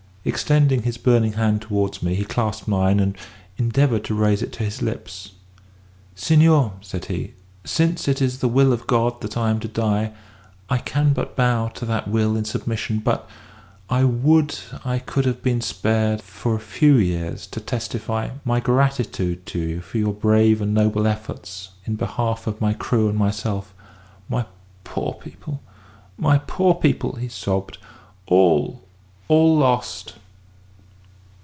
Extending his burning hand towards me, he clasped mine, and endeavoured to raise it to his lips. "Senor," said he, "since it is the will of God that I am to die, I can but bow to that will in submission; but I would I could have been spared for a few years to testify my gratitude to you for your brave and noble efforts in behalf of my crew and myself my poor people, my poor people," he sobbed "all, all lost!"